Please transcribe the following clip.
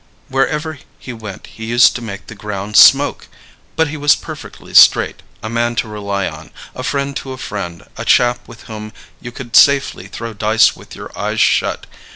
Wherever he went he used to make the ground smoke! But he was perfectly straight, a man to rely on, a friend to a friend, a chap with whom you could safely throw dice with your eyes shut.